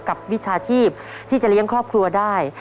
วิชาชีพที่จะเลี้ยงครอบครัวได้